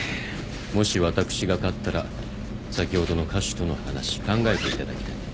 もし私が勝ったら先ほどの歌手との話考えていただきたい。